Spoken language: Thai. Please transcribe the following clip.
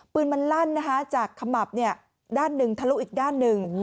ปืนมันลั่นนะคะจากขมับด้านหนึ่งทะลุอีกด้านหนึ่ง